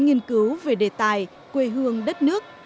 nghiên cứu về đề tài quê hương đất nước